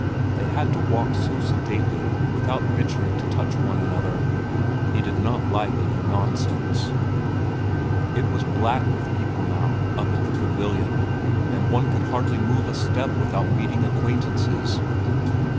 They had to walk so sedately without venturing to touch one another. He did not like any nonsense. It was black with people now up at the pavilion, and one could hardly move a step without meeting acquaintances.